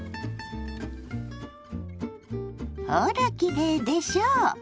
ほらきれいでしょ